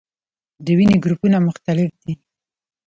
د وینې ګروپونه مختلف دي